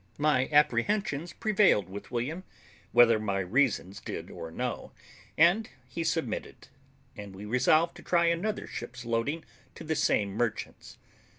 My apprehensions prevailed with William, whether my reasons did or no, and he submitted; and we resolved to try another ship's loading to the same merchants.